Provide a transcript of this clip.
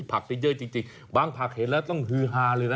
ผักได้เยอะจริงบางผักเห็นแล้วต้องฮือฮาเลยนะ